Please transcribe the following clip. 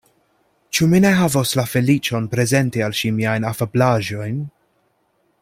Ĉu mi ne havos la feliĉon prezenti al ŝi miajn afablaĵojn?